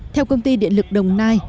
theo công ty điện lực đồng nai